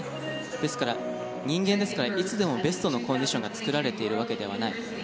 ですから、人間ですからいつでもベストなコンディションが作られているわけではない。